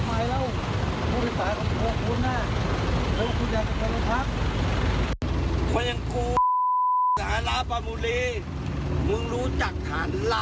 ไม่มีอะไรมาขุดเผาทำไมแล้ว